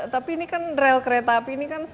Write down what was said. tapi ini kan rel kereta api ini kan